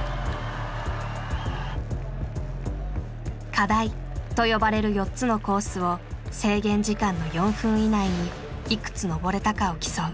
「課題」と呼ばれる４つのコースを制限時間の４分以内にいくつ登れたかを競う。